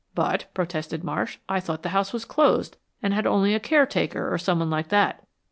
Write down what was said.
"But," protested Marsh, "I thought the house was closed, and had only a caretaker, or someone like that?"